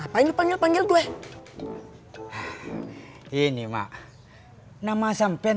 pada tujuh panchayat